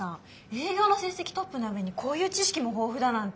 営業の成績トップな上にこういう知識も豊富だなんて。